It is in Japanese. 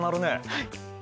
はい！